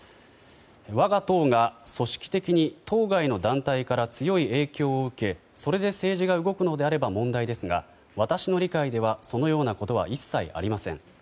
我が党が組織的に当該の団体から強い影響を受けそれで政治が動くのであれば問題ですが私の理解ではそのようなことは一切ありません。